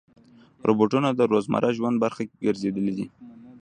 روبوټونه د روزمره ژوند برخه ګرځېدلي دي.